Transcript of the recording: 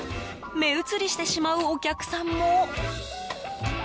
目移りしてしまうお客さんも。